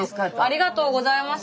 ありがとうございます。